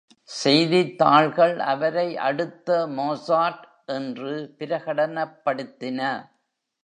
செய்தித்தாள்கள் அவரை அடுத்த Mozart என்று பிரகடனப்படுத்தின.